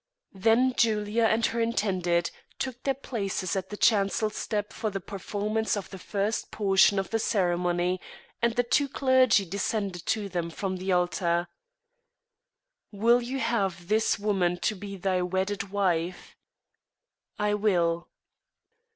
Then Julia and her intended took their places at the chancel step for the performance of the first portion of the ceremony, and the two clergy descended to them from the altar. "Wilt thou have this woman to thy wedded wife?" "I will."